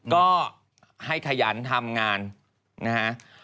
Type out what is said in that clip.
ก็ให้ขยันทำงานนะฮะ